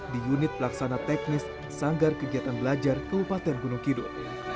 di unit pelaksana teknis sanggar kegiatan belajar kabupaten gunung kidul